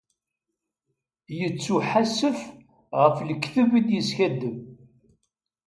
Yettuḥasef ɣef lekdeb i yeskaddeb.